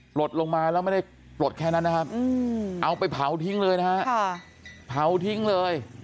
ปลดลงมาแล้วไม่ได้ปลดแค่นั้นนะครับเอาไปเผาทิ้งเลยนะฮะเผาทิ้งเลย